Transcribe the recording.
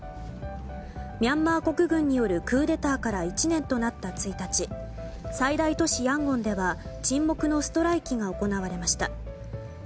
ミャンマー国軍によるクーデターから１年となった１日最大都市ヤンゴンでは沈黙のストライキが行われました。